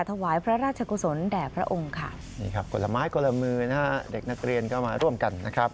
ระยะทาง๑๗กิโลเมตรนะคะ